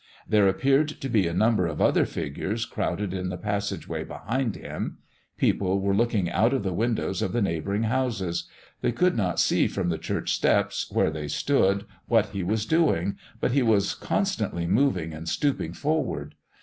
There appeared to be a number of other figures crowded in the passageway behind Him. People were looking out of the windows of the neighboring houses. They could not see from the church steps where they stood what He was doing, but He was constantly moving and stooping forward.